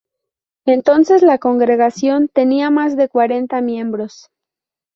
Entonces la congregación tenía más de cuarenta miembros.